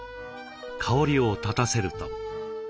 香りを立たせると。